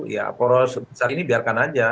ya poros sebesar ini biarkan aja